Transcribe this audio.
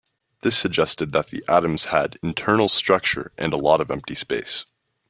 This suggested that atoms had internal structure and a lot of empty space.